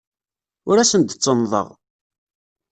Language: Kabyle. Ur asen-d-ttennḍeɣ.